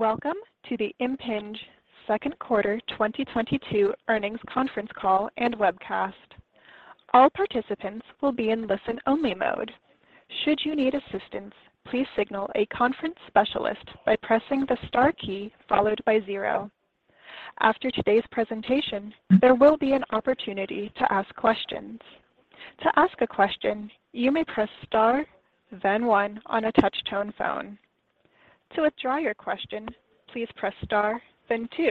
Welcome to the Impinj second quarter 2022 earnings conference call and webcast. All participants will be in listen-only mode. Should you need assistance, please signal a conference specialist by pressing the star key followed by zero. After today's presentation, there will be an opportunity to ask questions. To ask a question, you may press star then one on a touch-tone phone. To withdraw your question, please press star then two.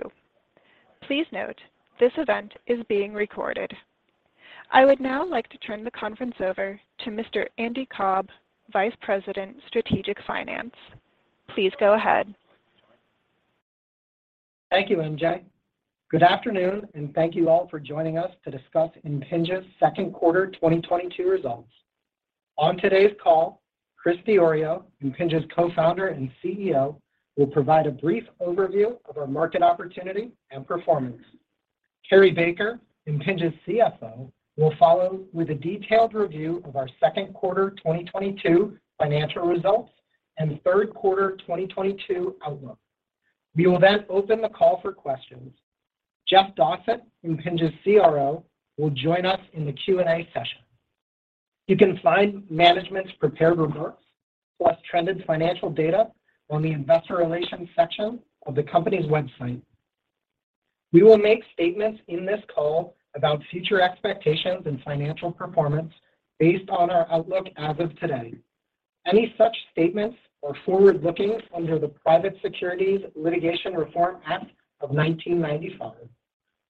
Please note, this event is being recorded. I would now like to turn the conference over to Mr. Andy Cobb, Vice President, Strategic Finance. Please go ahead. Thank you, MJ. Good afternoon, and thank you all for joining us to discuss Impinj's second quarter 2022 results. On today's call, Chris Diorio, Impinj's Co-founder and CEO, will provide a brief overview of our market opportunity and performance. Cary Baker, Impinj's CFO, will follow with a detailed review of our second quarter 2022 financial results and third quarter 2022 outlook. We will then open the call for questions. Jeff Dossett, Impinj's CRO, will join us in the Q&A session. You can find management's prepared remarks plus trended financial data on the investor relations section of the company's website. We will make statements in this call about future expectations and financial performance based on our outlook as of today. Any such statements are forward-looking under the Private Securities Litigation Reform Act of 1995.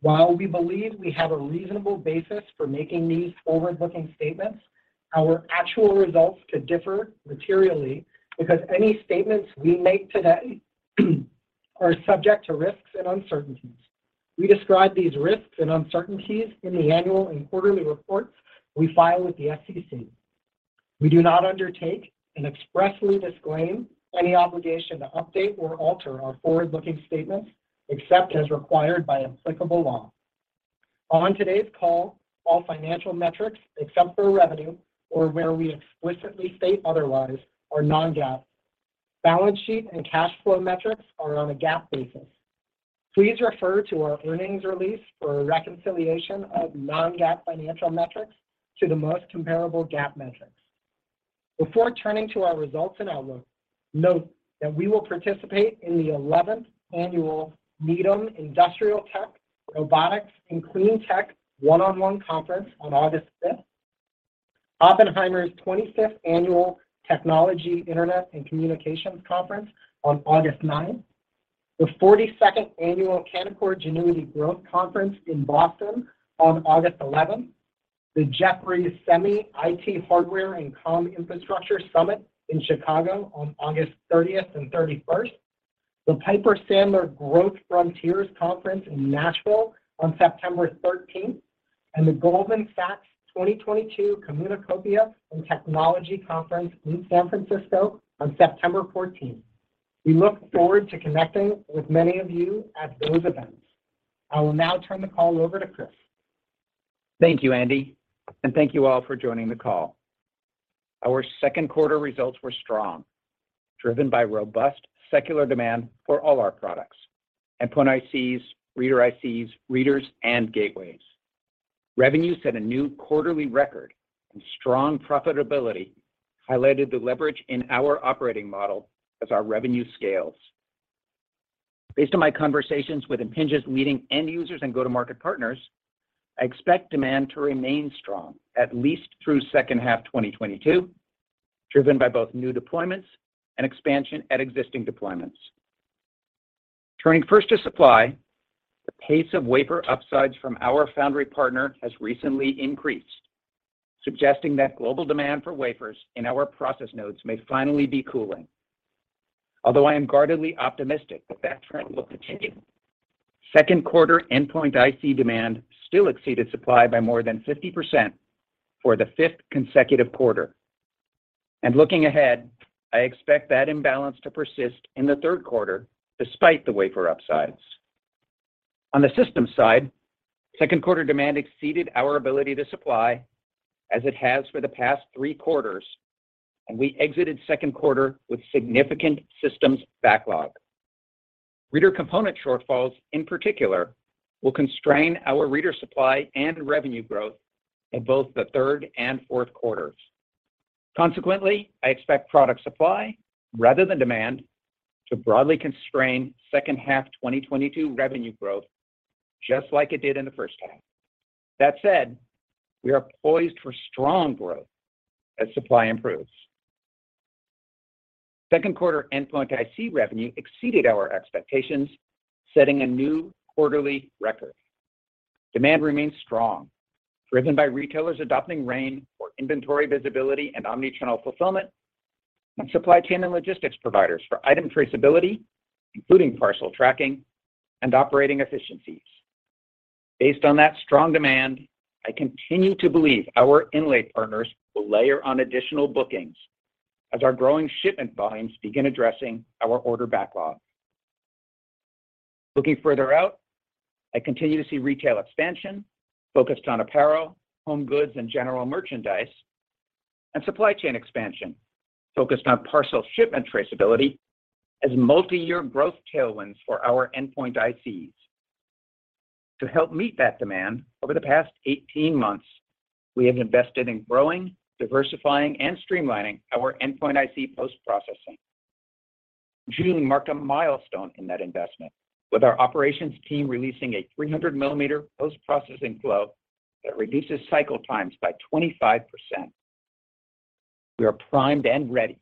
While we believe we have a reasonable basis for making these forward-looking statements, our actual results could differ materially because any statements we make today are subject to risks and uncertainties. We describe these risks and uncertainties in the annual and quarterly reports we file with the SEC. We do not undertake and expressly disclaim any obligation to update or alter our forward-looking statements except as required by applicable law. On today's call, all financial metrics, except for revenue or where we explicitly state otherwise, are non-GAAP. Balance sheet and cash flow metrics are on a GAAP basis. Please refer to our earnings release for a reconciliation of non-GAAP financial metrics to the most comparable GAAP metrics. Before turning to our results and outlook, note that we will participate in the 11th Annual Needham Industrial Tech, Robotics, & Clean Tech 1x1 Conference on August 5th, Oppenheimer's 25th Annual Technology, Internet, and Communications Conference on August 9, the 42nd Annual Canaccord Genuity Growth Conference in Boston on August 11, the Jefferies Semi, IT, Hardware and Comm Infrastructure Summit in Chicago on August 30th and 31st, the Piper Sandler Growth Frontiers Conference in Nashville on September 13th, and the Goldman Sachs 2022 Communacopia + Technology Conference in San Francisco on September 14th. We look forward to connecting with many of you at those events. I will now turn the call over to Chris. Thank you, Andy, and thank you all for joining the call. Our second quarter results were strong, driven by robust secular demand for all our products, Endpoint ICs, Reader ICs, Readers, and Gateways. Revenue set a new quarterly record and strong profitability highlighted the leverage in our operating model as our revenue scales. Based on my conversations with Impinj's leading end users and go-to-market partners, I expect demand to remain strong at least through second half 2022, driven by both new deployments and expansion at existing deployments. Turning first to supply, the pace of wafer upsides from our foundry partner has recently increased, suggesting that global demand for wafers in our process nodes may finally be cooling. Although I am guardedly optimistic that trend will continue, second quarter Endpoint IC demand still exceeded supply by more than 50% for the fifth consecutive quarter. Looking ahead, I expect that imbalance to persist in the third quarter despite the wafer upsides. On the system side, second quarter demand exceeded our ability to supply, as it has for the past three quarters, and we exited second quarter with significant systems backlog. Reader component shortfalls, in particular, will constrain our reader supply and revenue growth in both the third and fourth quarters. Consequently, I expect product supply rather than demand to broadly constrain second half 2022 revenue growth, just like it did in the first half. That said, we are poised for strong growth as supply improves. Second quarter Endpoint IC revenue exceeded our expectations, setting a new quarterly record. Demand remains strong, driven by retailers adopting RAIN for inventory visibility and omnichannel fulfillment, and supply chain and logistics providers for item traceability, including parcel tracking and operating efficiencies. Based on that strong demand, I continue to believe our inlay partners will layer on additional bookings as our growing shipment volumes begin addressing our order backlog. Looking further out, I continue to see retail expansion focused on apparel, home goods, and general merchandise, and supply chain expansion focused on parcel shipment traceability as multi-year growth tailwinds for our Endpoint ICs. To help meet that demand, over the past 18 months, we have invested in growing, diversifying, and streamlining our Endpoint IC post-processing. June marked a milestone in that investment with our operations team releasing a 300 mm post-processing flow that reduces cycle times by 25%. We are primed and ready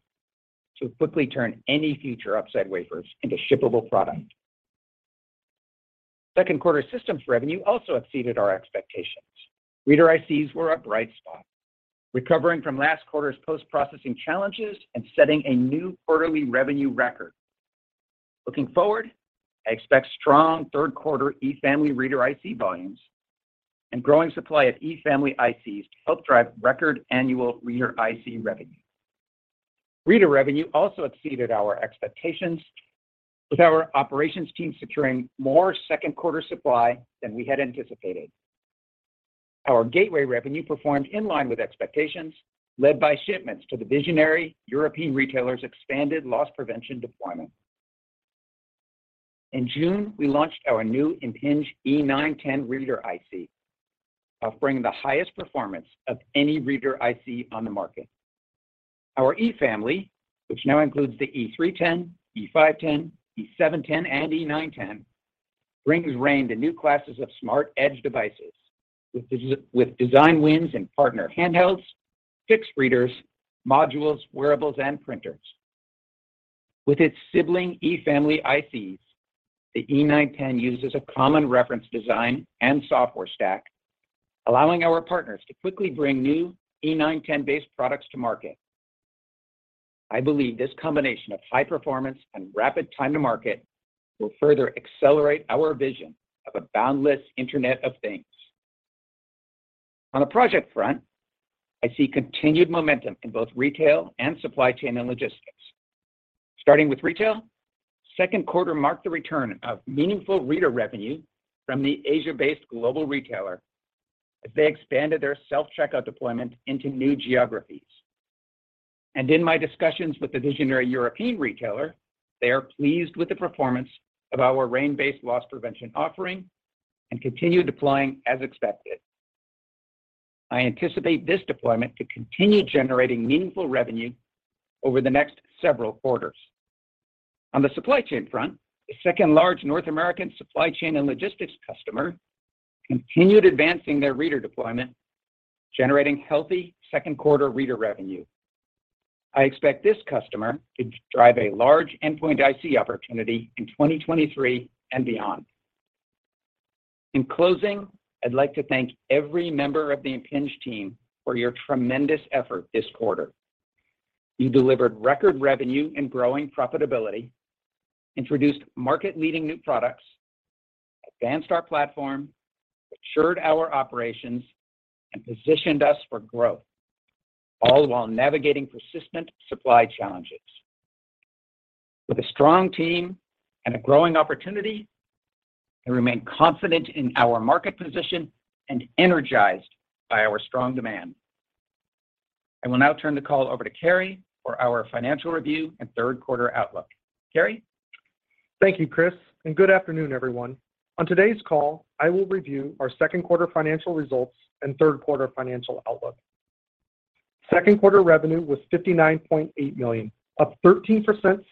to quickly turn any future upside wafers into shippable product. Second quarter systems revenue also exceeded our expectations. Reader ICs were a bright spot, recovering from last quarter's post-processing challenges and setting a new quarterly revenue record. Looking forward, I expect strong third quarter E family reader IC volumes and growing supply of E family ICs to help drive record annual reader IC revenue. Reader revenue also exceeded our expectations with our operations team securing more second quarter supply than we had anticipated. Our gateway revenue performed in line with expectations, led by shipments to the visionary European retailers expanded loss prevention deployment. In June, we launched our new Impinj E910 reader IC, offering the highest performance of any reader IC on the market. Our E family, which now includes the E310, E510, E710, and E910, brings RAIN to new classes of smart edge devices with design wins and partner handhelds, fixed readers, modules, wearables, and printers. With its sibling E family ICs, the E910 uses a common reference design and software stack, allowing our partners to quickly bring new E910-based products to market. I believe this combination of high performance and rapid time to market will further accelerate our vision of a boundless Internet of Things. On the project front, I see continued momentum in both retail and supply chain and logistics. Starting with retail, second quarter marked the return of meaningful reader revenue from the Asia-based global retailer as they expanded their self-checkout deployment into new geographies. In my discussions with the visionary European retailer, they are pleased with the performance of our RAIN-based loss prevention offering and continue deploying as expected. I anticipate this deployment to continue generating meaningful revenue over the next several quarters. On the supply chain front, the second large North American supply chain and logistics customer continued advancing their reader deployment, generating healthy second-quarter reader revenue. I expect this customer to drive a large Endpoint IC opportunity in 2023 and beyond. In closing, I'd like to thank every member of the Impinj team for your tremendous effort this quarter. You delivered record revenue and growing profitability, introduced market-leading new products, advanced our platform, matured our operations, and positioned us for growth, all while navigating persistent supply challenges. With a strong team and a growing opportunity, I remain confident in our market position and energized by our strong demand. I will now turn the call over to Cary for our financial review and third quarter outlook. Cary? Thank you, Chris, and good afternoon, everyone. On today's call, I will review our second quarter financial results and third quarter financial outlook. Second quarter revenue was $59.8 million, up 13%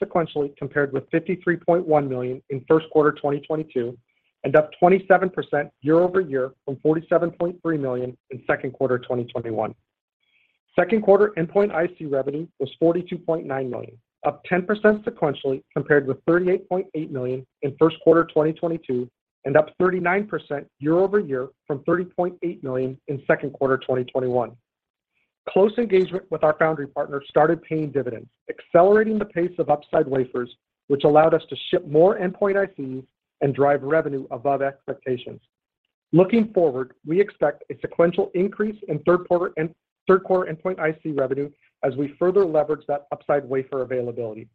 sequentially compared with $53.1 million in first quarter 2022, and up 27% year-over-year from $47.3 million in second quarter 2021. Second quarter Endpoint IC revenue was $42.9 million, up 10% sequentially compared with $38.8 million in first quarter 2022, and up 39% year-over-year from $30.8 million in second quarter 2021. Close engagement with our foundry partner started paying dividends, accelerating the pace of upside wafers, which allowed us to ship more Endpoint ICs and drive revenue above expectations. Looking forward, we expect a sequential increase in third quarter Endpoint IC revenue as we further leverage that upside wafer availability.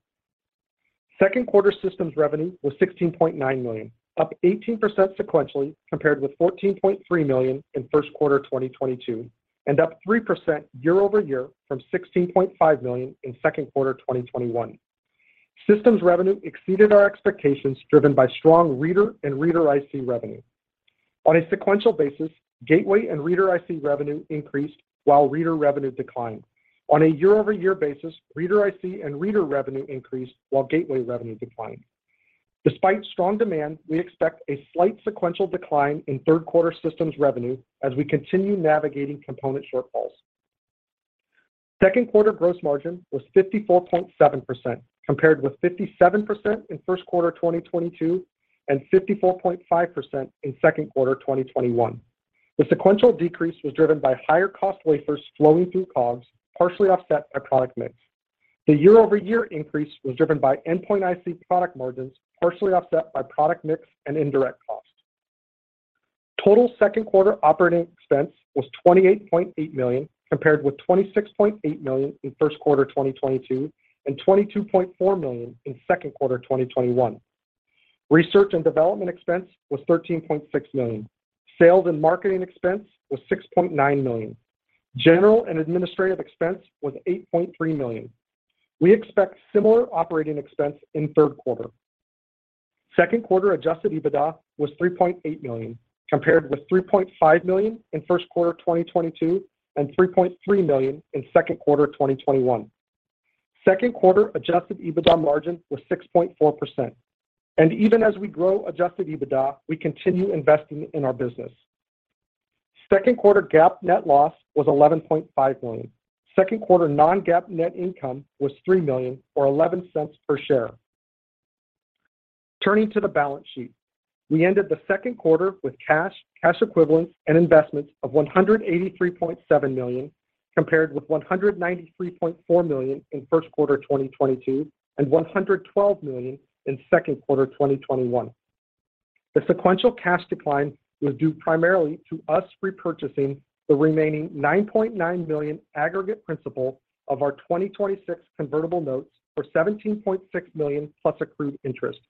Second quarter systems revenue was $16.9 million, up 18% sequentially compared with $14.3 million in first quarter 2022, and up 3% year-over-year from $16.5 million in second quarter 2021. Systems revenue exceeded our expectations, driven by strong reader and Reader IC revenue. On a sequential basis, Gateway and Reader IC revenue increased while reader revenue declined. On a year-over-year basis, Reader IC and reader revenue increased while Gateway revenue declined. Despite strong demand, we expect a slight sequential decline in third-quarter systems revenue as we continue navigating component shortfalls. Second quarter gross margin was 54.7%, compared with 57% in first quarter 2022 and 54.5% in second quarter 2021. The sequential decrease was driven by higher cost wafers flowing through COGS, partially offset by product mix. The year-over-year increase was driven by Endpoint IC product margins, partially offset by product mix and indirect costs. Total second quarter operating expense was $28.8 million, compared with $26.8 million in first quarter 2022 and $22.4 million in second quarter 2021. Research and development expense was $13.6 million. Sales and marketing expense was $6.9 million. General and administrative expense was $8.3 million. We expect similar operating expense in third quarter. Second quarter Adjusted EBITDA was $3.8 million, compared with $3.5 million in first quarter 2022 and $3.3 million in second quarter 2021. Second quarter Adjusted EBITDA margin was 6.4%. Even as we grow Adjusted EBITDA, we continue investing in our business. Second quarter GAAP net loss was $11.5 million. Second quarter non-GAAP net income was $3 million or $0.11 per share. Turning to the balance sheet, we ended the second quarter with cash equivalents, and investments of $183.7 million, compared with $193.4 million in first quarter 2022 and $112 million in second quarter 2021. The sequential cash decline was due primarily to us repurchasing the remaining $9.9 million aggregate principal of our 2026 convertible notes for $17.6 million plus accrued interest.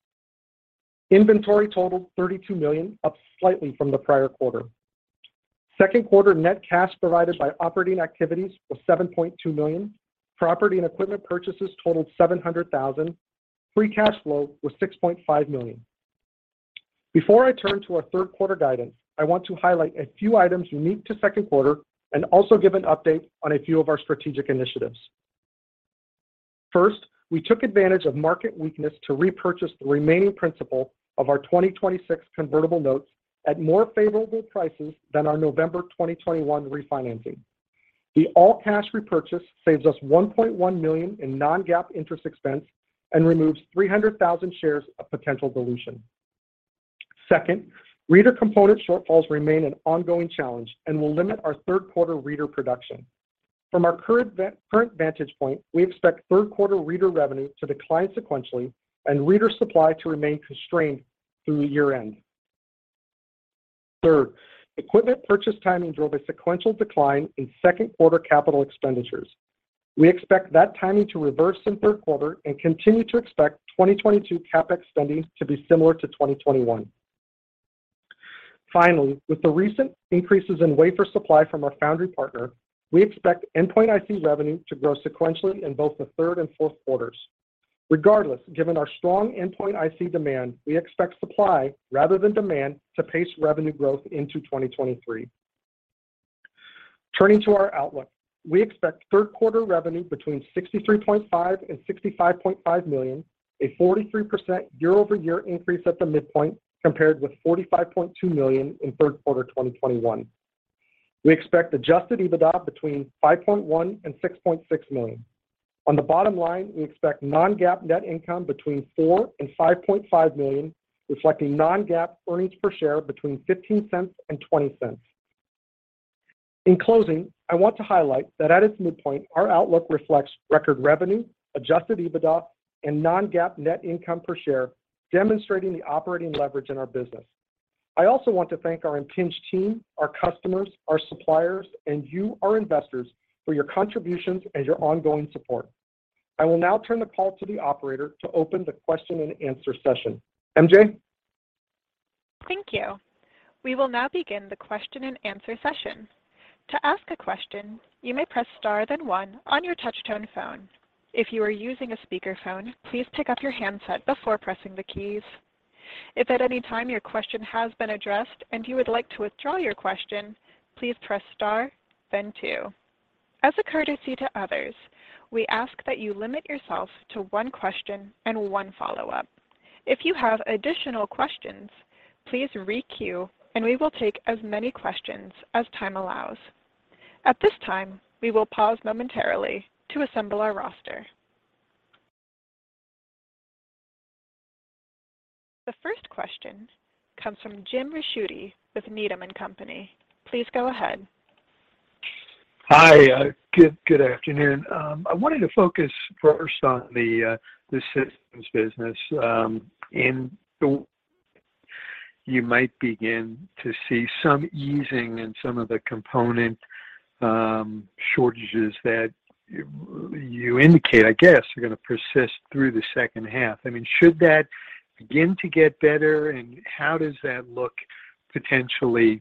Inventory totaled $32 million, up slightly from the prior quarter. Second quarter net cash provided by operating activities was $7.2 million. Property and equipment purchases totaled $700,000. Free cash flow was $6.5 million. Before I turn to our third quarter guidance, I want to highlight a few items unique to second quarter and also give an update on a few of our strategic initiatives. First, we took advantage of market weakness to repurchase the remaining principal of our 2026 convertible notes at more favorable prices than our November 2021 refinancing. The all-cash repurchase saves us $1.1 million in non-GAAP interest expense and removes 300,000 shares of potential dilution. Second, reader component shortfalls remain an ongoing challenge and will limit our third quarter reader production. From our current vantage point, we expect third quarter reader revenue to decline sequentially and reader supply to remain constrained through year-end. Third, equipment purchase timing drove a sequential decline in second quarter capital expenditures. We expect that timing to reverse in third quarter and continue to expect 2022 CapEx spending to be similar to 2021. Finally, with the recent increases in wafer supply from our foundry partner, we expect Endpoint IC revenue to grow sequentially in both the third and fourth quarters. Regardless, given our strong Endpoint IC demand, we expect supply rather than demand to pace revenue growth into 2023. Turning to our outlook, we expect third quarter revenue between $63.5 million and $65.5 million, a 43% year-over-year increase at the midpoint compared with $45.2 million in third quarter 2021. We expect Adjusted EBITDA between $5.1 million and $6.6 million. On the bottom line, we expect non-GAAP net income between $4 million and $5.5 million, reflecting non-GAAP earnings per share between $0.15 and $0.20. In closing, I want to highlight that at its midpoint, our outlook reflects record revenue, Adjusted EBITDA, and non-GAAP net income per share, demonstrating the operating leverage in our business. I also want to thank our Impinj team, our customers, our suppliers, and you, our investors, for your contributions and your ongoing support. I will now turn the call to the operator to open the question-and-answer session. MJ? Thank you. We will now begin the question and answer session. To ask a question, you may press star then one on your touch-tone phone. If you are using a speakerphone, please pick up your handset before pressing the keys. If at any time your question has been addressed and you would like to withdraw your question, please press star then two. As a courtesy to others, we ask that you limit yourself to one question and one follow-up. If you have additional questions, please re-queue, and we will take as many questions as time allows. At this time, we will pause momentarily to assemble our roster. The first question comes from Jim Ricchiuti with Needham & Company. Please go ahead. Hi, good afternoon. I wanted to focus first on the systems business. You might begin to see some easing in some of the component shortages that you indicate, I guess, are going to persist through the second half. I mean, should that begin to get better, and how does that look potentially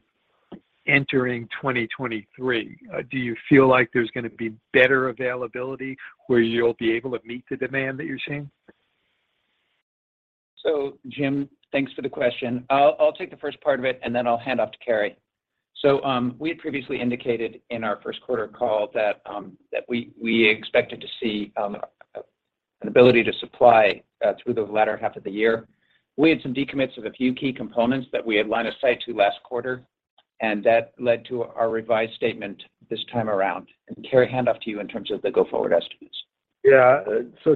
entering 2023? Do you feel like there's going to be better availability where you'll be able to meet the demand that you're seeing? Jim, thanks for the question. I'll take the first part of it, and then I'll hand off to Cary. We had previously indicated in our first quarter call that we expected to see an ability to supply through the latter half of the year. We had some decommits of a few key components that we had line of sight to last quarter, and that led to our revised statement this time around. Cary, hand off to you in terms of the go-forward estimates. Yeah.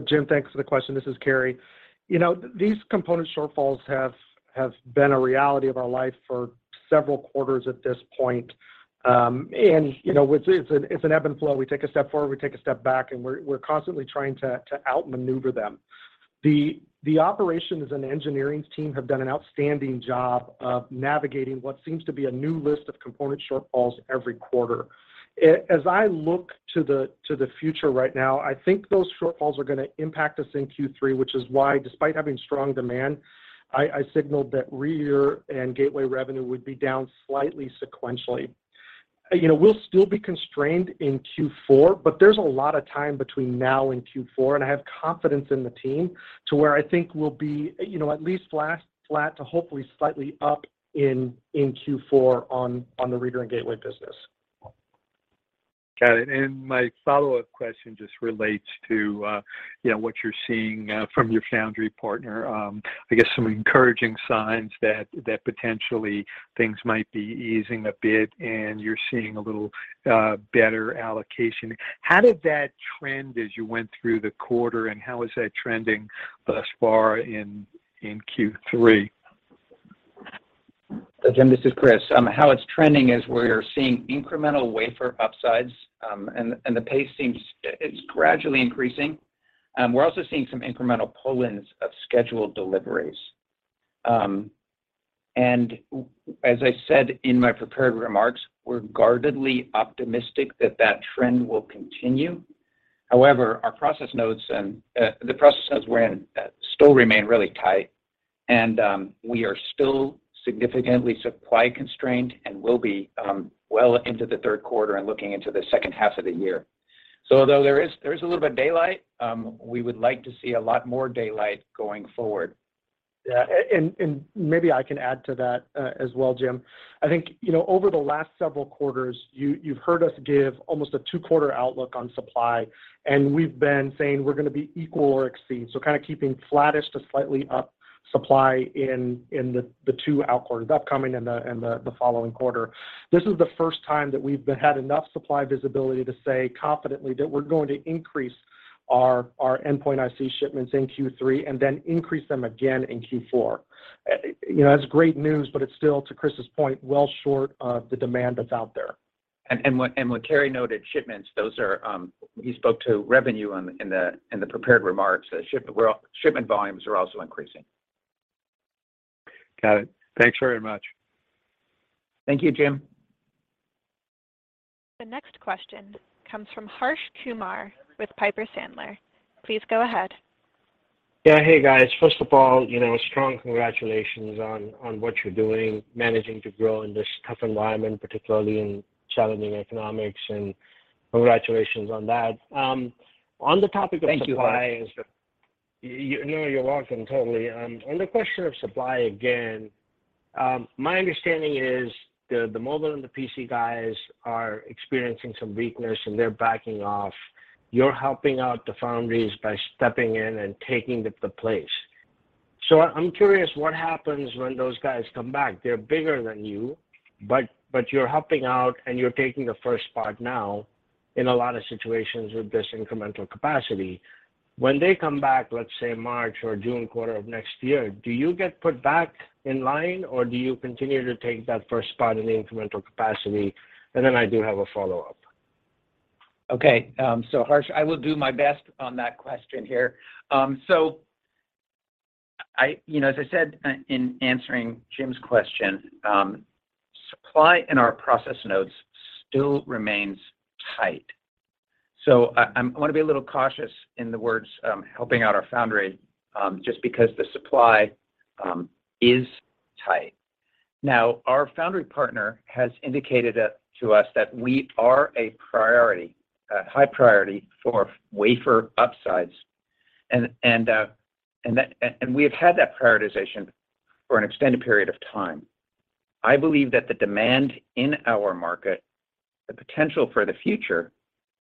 Jim, thanks for the question. This is Cary. You know, these component shortfalls have been a reality of our life for several quarters at this point. You know, it's an ebb and flow. We take a step forward, we take a step back, and we're constantly trying to outmaneuver them. The operations and engineering team have done an outstanding job of navigating what seems to be a new list of component shortfalls every quarter. As I look to the future right now, I think those shortfalls are gonna impact us in Q3, which is why despite having strong demand, I signaled that reader and gateway revenue would be down slightly sequentially. You know, we'll still be constrained in Q4, but there's a lot of time between now and Q4, and I have confidence in the team to where I think we'll be, you know, at least flat to hopefully slightly up in Q4 on the reader and gateway business. Got it. My follow-up question just relates to, you know, what you're seeing from your foundry partner. I guess some encouraging signs that potentially things might be easing a bit and you're seeing a little better allocation. How did that trend as you went through the quarter, and how is that trending thus far in Q3? Jim, this is Chris. How it's trending is we're seeing incremental wafer upsides, and the pace is gradually increasing. We're also seeing some incremental pull-ins of scheduled deliveries. As I said in my prepared remarks, we're guardedly optimistic that that trend will continue. However, our process nodes and the process nodes we're in still remain really tight, and we are still significantly supply constrained and will be well into the third quarter and looking into the second half of the year. Although there is a little bit of daylight, we would like to see a lot more daylight going forward. Yeah. Maybe I can add to that, as well, Jim. I think, you know, over the last several quarters, you've heard us give almost a two-quarter outlook on supply, and we've been saying we're gonna be equal or exceed, so kinda keeping flattish to slightly up supply in the two out quarters, upcoming and the following quarter. This is the first time that we've had enough supply visibility to say confidently that we're going to increase our Endpoint IC shipments in Q3 and then increase them again in Q4. You know, that's great news, but it's still, to Chris's point, well short of the demand that's out there. What Cary noted. He spoke to revenue in the prepared remarks. Well, shipment volumes are also increasing. Got it. Thanks very much. Thank you, Jim. The next question comes from Harsh Kumar with Piper Sandler. Please go ahead. Yeah. Hey, guys. First of all, you know, strong congratulations on what you're doing, managing to grow in this tough environment, particularly in challenging economics, and congratulations on that. On the topic of supply. Thank you, Harsh. No, you're welcome. Totally. On the question of supply, again, my understanding is the mobile and the PC guys are experiencing some weakness, and they're backing off. You're helping out the foundries by stepping in and taking the place. I'm curious what happens when those guys come back. They're bigger than you, but you're helping out, and you're taking the first spot now in a lot of situations with this incremental capacity. When they come back, let's say March or June quarter of next year, do you get put back in line, or do you continue to take that first spot in the incremental capacity? I do have a follow-up. Okay. Harsh, I will do my best on that question here. You know, as I said in answering Jim's question, supply in our process nodes still remains tight. I wanna be a little cautious in the words helping out our foundry just because the supply is tight. Now, our foundry partner has indicated to us that we are a priority, a high priority for wafer upsides. We have had that prioritization for an extended period of time. I believe that the demand in our market, the potential for the future,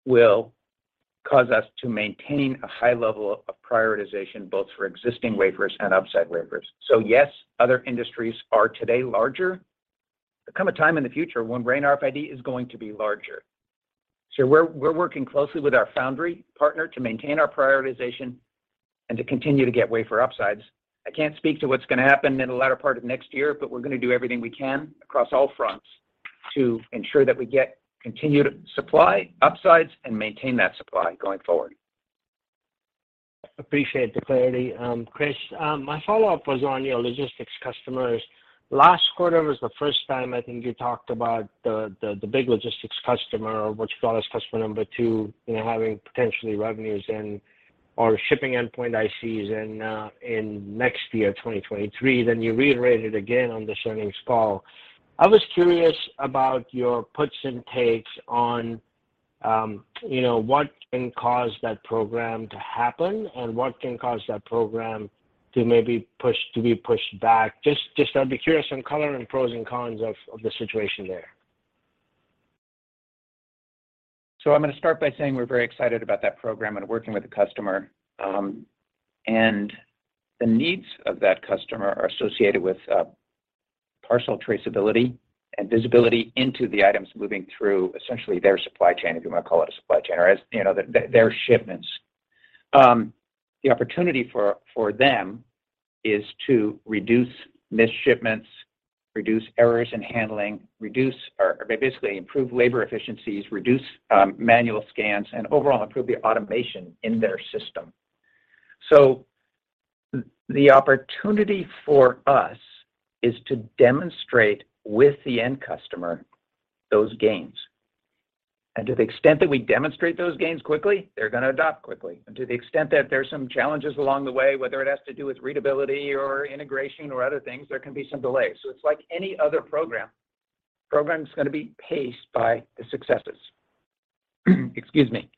will cause us to maintain a high level of prioritization both for existing wafers and upside wafers. Yes, other industries are today larger. There come a time in the future when RAIN RFID is going to be larger. We're working closely with our foundry partner to maintain our prioritization and to continue to get wafer upsides. I can't speak to what's gonna happen in the latter part of next year, but we're gonna do everything we can across all fronts to ensure that we get continued supply upsides and maintain that supply going forward. Appreciate the clarity. Chris, my follow-up was on your logistics customers. Last quarter was the first time I think you talked about the big logistics customer, what you call as customer number two, you know, having potentially revenues and/or shipping Endpoint ICs in next year, 2023. Then you reiterated again on this earnings call. I was curious about your puts and takes on, you know, what can cause that program to happen, and what can cause that program to maybe push, to be pushed back. Just I'd be curious on color and pros and cons of the situation there. I'm gonna start by saying we're very excited about that program and working with the customer. The needs of that customer are associated with parcel traceability and visibility into the items moving through essentially their supply chain, if you wanna call it a supply chain, or as you know their shipments. The opportunity for them is to reduce missed shipments, reduce errors in handling, reduce or basically improve labor efficiencies, reduce manual scans, and overall improve the automation in their system. The opportunity for us is to demonstrate with the end customer those gains. To the extent that we demonstrate those gains quickly, they're gonna adopt quickly. To the extent that there's some challenges along the way, whether it has to do with readability or integration or other things, there can be some delays. It's like any other program. Program's gonna be paced by the successes. Excuse me.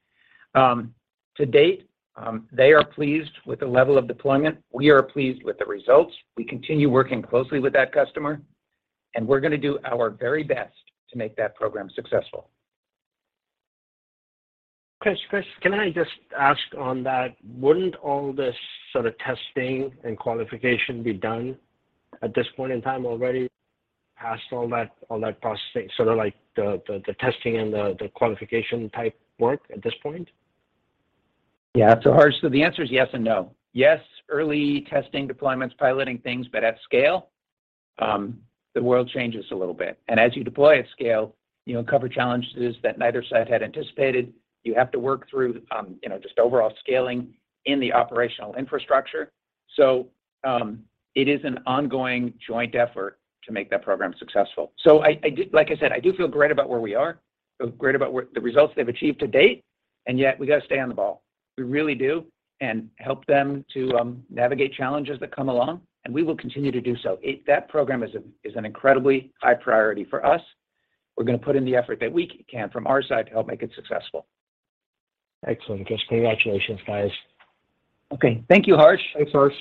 To date, they are pleased with the level of deployment. We are pleased with the results. We continue working closely with that customer, and we're gonna do our very best to make that program successful. Chris, can I just ask on that, wouldn't all this sort of testing and qualification be done at this point in time already, past all that processing, sort of like the testing and the qualification type work at this point? Yeah. Harsh, the answer is yes and no. Yes, early testing deployments, piloting things, but at scale, the world changes a little bit. As you deploy at scale, you uncover challenges that neither side had anticipated. You have to work through, you know, just overall scaling in the operational infrastructure. It is an ongoing joint effort to make that program successful. Like I said, I do feel great about where we are, feel great about the results they've achieved to date, and yet we gotta stay on the ball. We really do, and help them to navigate challenges that come along, and we will continue to do so. That program is an incredibly high priority for us. We're gonna put in the effort that we can from our side to help make it successful. Excellent, Chris. Congratulations, guys. Okay. Thank you, Harsh. Thanks, Harsh.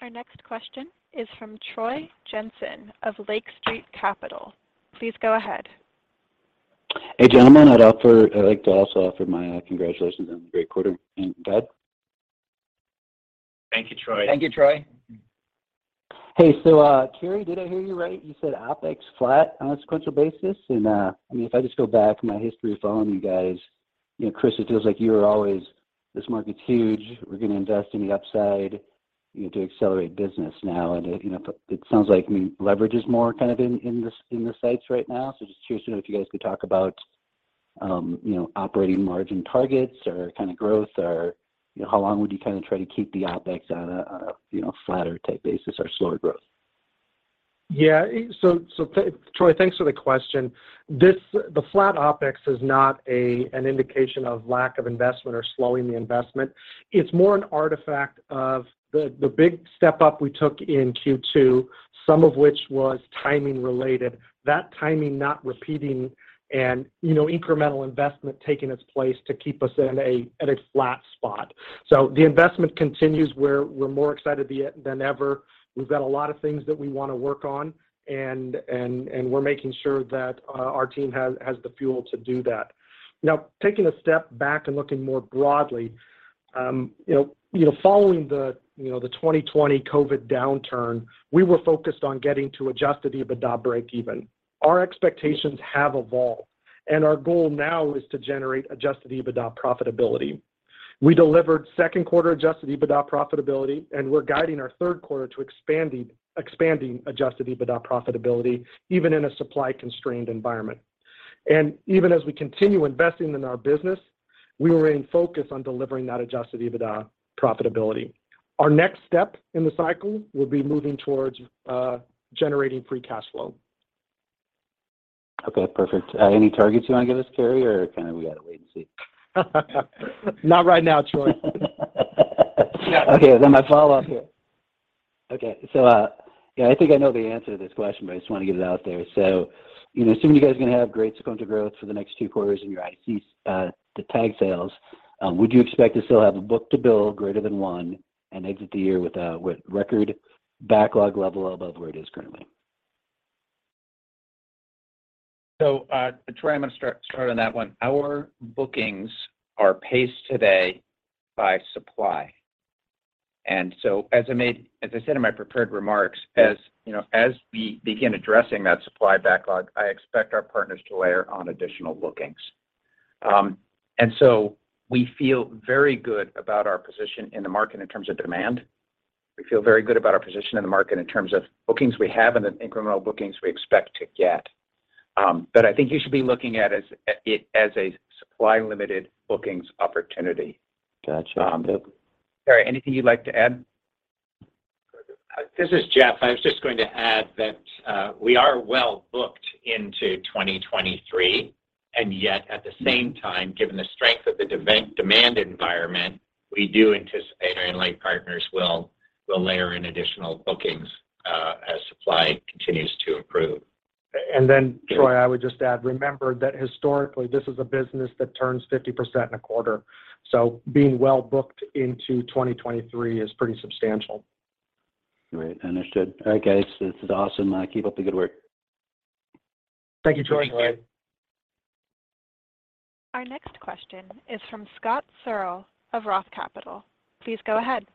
Our next question is from Troy Jensen of Lake Street Capital. Please go ahead. Hey, gentlemen. I'd like to also offer my congratulations on the great quarter. Bud? Thank you, Troy. Thank you, Troy. Hey, Cary, did I hear you right? You said OpEx flat on a sequential basis? I mean, if I just go back in my history of following you guys, you know, Chris, it feels like you are always, "This market's huge. We're gonna invest in the upside, you know, to accelerate business now." You know, but it sounds like, I mean, leverage is more kind of in the sights right now. Just curious to know if you guys could talk about, you know, operating margin targets or kind of growth or, you know, how long would you kind of try to keep the OpEx on a flatter type basis or slower growth? Yeah. Troy, thanks for the question. The flat OpEx is not an indication of lack of investment or slowing the investment. It's more an artifact of the big step-up we took in Q2, some of which was timing related, that timing not repeating and, you know, incremental investment taking its place to keep us at a flat spot. The investment continues. We're more excited than ever. We've got a lot of things that we wanna work on and we're making sure that our team has the fuel to do that. Taking a step back and looking more broadly, following the 2020 COVID downturn, we were focused on getting to Adjusted EBITDA breakeven. Our expectations have evolved, and our goal now is to generate Adjusted EBITDA profitability. We delivered second quarter Adjusted EBITDA profitability, and we're guiding our third quarter to expanding Adjusted EBITDA profitability even in a supply-constrained environment. Even as we continue investing in our business, we remain focused on delivering that Adjusted EBITDA profitability. Our next step in the cycle will be moving towards generating free cash flow. Okay. Perfect. Any targets you wanna give us, Cary, or kinda we gotta wait and see? Not right now, Troy. Yeah. My follow-up here. Yeah, I think I know the answer to this question, but I just wanna get it out there. You know, assuming you guys are gonna have great sequential growth for the next two quarters and you're out of cease, the tag sales, would you expect to still have a book-to-bill greater than one and exit the year with record backlog level above where it is currently? Troy, I'm gonna start on that one. Our bookings are paced today by supply. As I said in my prepared remarks, as you know, as we begin addressing that supply backlog, I expect our partners to layer on additional bookings. We feel very good about our position in the market in terms of demand. We feel very good about our position in the market in terms of bookings we have and the incremental bookings we expect to get. I think you should be looking at it as a supply-limited bookings opportunity. Gotcha. Bud? Cary, anything you'd like to add? This is Jeff. I was just going to add that we are well booked into 2023, and yet at the same time, given the strength of the demand environment, we do anticipate our end-line partners will layer in additional bookings as supply continues to improve. Great. Troy, I would just add, remember that historically, this is a business that turns 50% in a quarter. Being well booked into 2023 is pretty substantial. Great. Understood. All right, guys, this is awesome. Keep up the good work. Thank you, Troy. Sure thing. Our next question is from Scott Searle of Roth Capital. Please go ahead.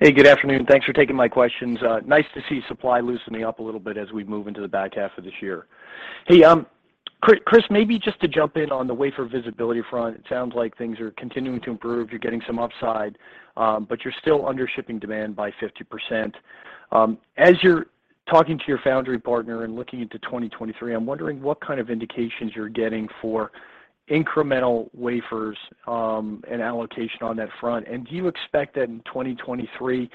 Hey, good afternoon. Thanks for taking my questions. Nice to see supply loosening up a little bit as we move into the back half of this year. Hey, Chris, maybe just to jump in on the wafer visibility front, it sounds like things are continuing to improve. You're getting some upside, but you're still undershipping demand by 50%. As you're talking to your foundry partner and looking into 2023, I'm wondering what kind of indications you're getting for incremental wafers, and allocation on that front. Do you expect that in 2023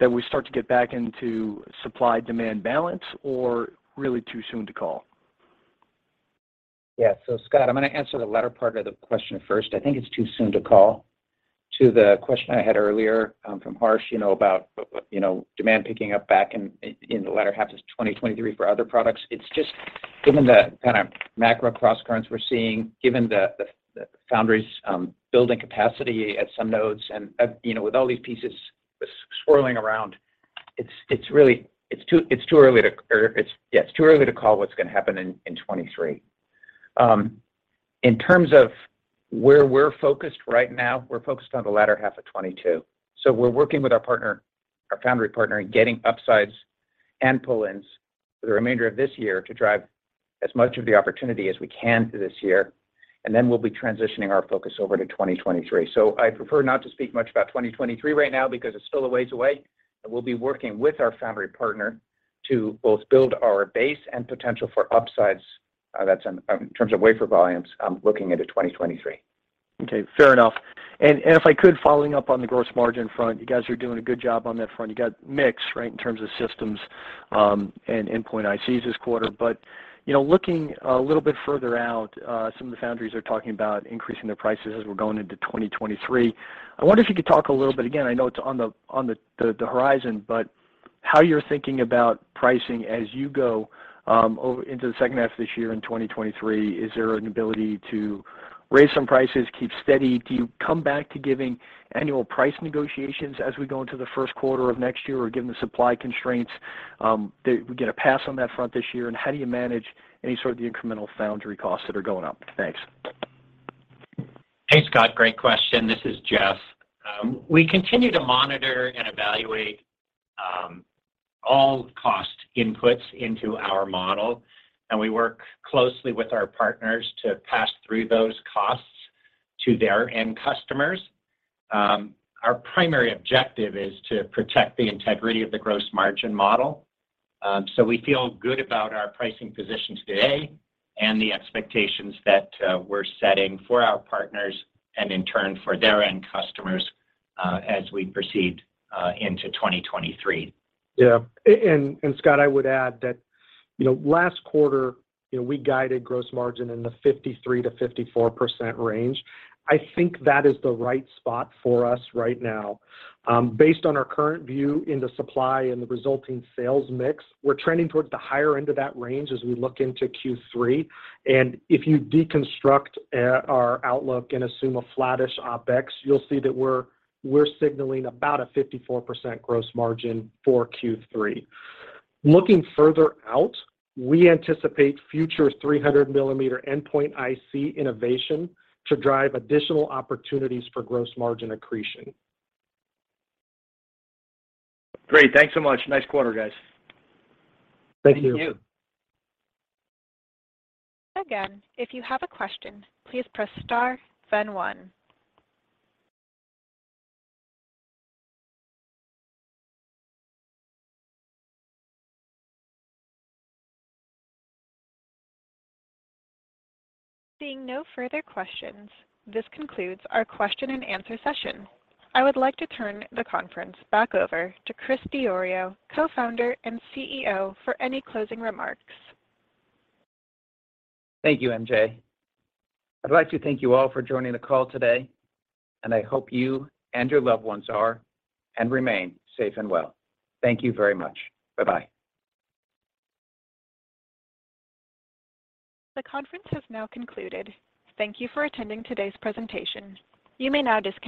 that we start to get back into supply-demand balance or really too soon to call? Yeah. Scott, I'm gonna answer the latter part of the question first. I think it's too soon to call. To the question I had earlier, from Harsh, you know, about, you know, demand picking up back in the latter half of 2023 for other products. It's just given the kind of macro crosscurrents we're seeing, given the foundries building capacity at some nodes and, you know, with all these pieces swirling around, it's really too early to call what's gonna happen in 2023. In terms of where we're focused right now, we're focused on the latter half of 2022. We're working with our partner, our foundry partner in getting upsides and pull-ins for the remainder of this year to drive as much of the opportunity as we can this year. We'll be transitioning our focus over to 2023. I prefer not to speak much about 2023 right now because it's still a ways away, and we'll be working with our foundry partner to both build our base and potential for upsides, that's in terms of wafer volumes, looking into 2023. Okay, fair enough. If I could, following up on the gross margin front, you guys are doing a good job on that front. You got mix, right, in terms of systems and Endpoint ICs this quarter. You know, looking a little bit further out, some of the foundries are talking about increasing their prices as we're going into 2023. I wonder if you could talk a little bit, again, I know it's on the horizon, but how you're thinking about pricing as you go over into the second half of this year in 2023. Is there an ability to raise some prices, keep steady? Do you come back to giving annual price negotiations as we go into the first quarter of next year, or given the supply constraints, do we get a pass on that front this year? How do you manage any sort of the incremental foundry costs that are going up? Thanks. Hey, Scott. Great question. This is Jeff. We continue to monitor and evaluate all cost inputs into our model, and we work closely with our partners to pass through those costs to their end customers. Our primary objective is to protect the integrity of the gross margin model. We feel good about our pricing position today and the expectations that we're setting for our partners and in turn for their end customers as we proceed into 2023. Yeah. Scott, I would add that, you know, last quarter, you know, we guided gross margin in the 53%-54% range. I think that is the right spot for us right now. Based on our current view into supply and the resulting sales mix, we're trending towards the higher end of that range as we look into Q3. If you deconstruct our outlook and assume a flattish OpEx, you'll see that we're signaling about a 54% gross margin for Q3. Looking further out, we anticipate future 300mm endpoint IC innovation to drive additional opportunities for gross margin accretion. Great. Thanks so much. Nice quarter, guys. Thank you. Thank you. Again, if you have a question, please press star then one. Seeing no further questions, this concludes our question and answer session. I would like to turn the conference back over to Chris Diorio, Co-founder and CEO, for any closing remarks. Thank you, MJ. I'd like to thank you all for joining the call today, and I hope you and your loved ones are and remain safe and well. Thank you very much. Bye-bye. The conference has now concluded. Thank you for attending today's presentation. You may now disconnect.